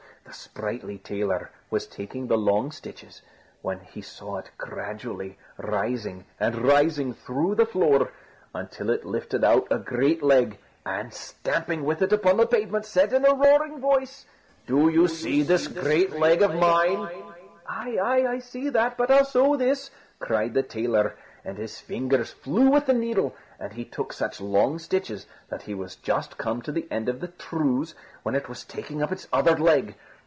The sprightly tailor was taking the long stitches, when he saw it gradually rising and rising through the floor, until it lifted out a great leg, and stamping with it upon the pavement, said in a roaring voice: "Do you see this great leg of mine?" "Aye, aye: I see that, but I'll sew this!" cried the tailor; and his fingers flew with the needle, and he took such long stitches, that he was just come to the end of the trews, when it was taking up its other leg.